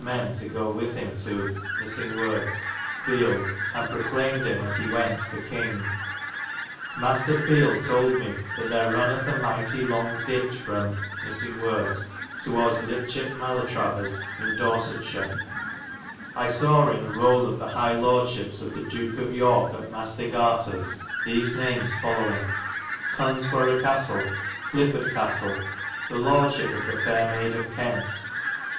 men to go with hym to ... felde, and proclaymed hym as he went for kynge. Mastar Feelde told me that there rennithe a mighty fo. 109. longe diche from ... toward Lichet Maletravers '' in Dorsete shire. I saw in a rouUe of the highe lordshipes of the Duke of Yorke at Mastar Garters thes names folowing: Cunsborow Castelle; Clifford Castle; the lordeshipe of the faire Maide of Kent.